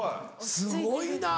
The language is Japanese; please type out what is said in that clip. すごいな。